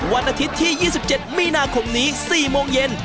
วันอาทิตย์ที่๒๗มีนาคมนี้๔โมงเย็น